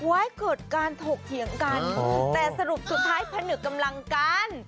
ไว้เกิดการถกเถียงกันแต่สรุปสุดท้ายผนึกกำลังกัน